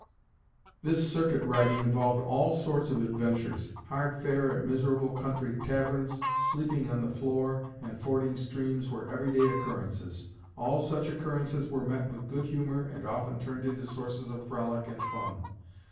This 'circuit riding' involved all sorts of adventures. Hard fare at miserable country taverns, sleeping on the floor, and fording streams, were every day occurrences. All such occurrences were met with good humor and often turned into sources of frolic and fun.